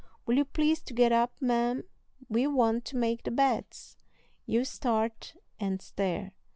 "Will you please to get up, ma'am? We want to make the beds." You start and stare.